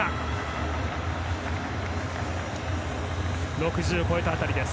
６０を越えた辺りです。